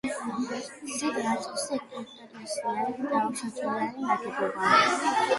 ზედა ნაწილში ეკლესია და ორსართულიანი ნაგებობაა.